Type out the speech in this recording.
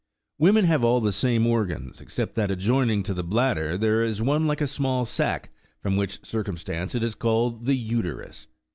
Women have all the same organs, except that adjoining to the bladder there is one like a small sac,2 from which circum stance it is called the " uterus."